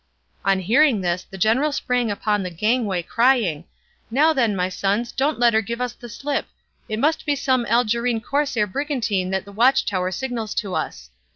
On hearing this the general sprang upon the gangway crying, "Now then, my sons, don't let her give us the slip! It must be some Algerine corsair brigantine that the watchtower signals to us."